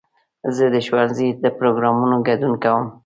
زه د ښوونځي د پروګرامونو ګډون کوم.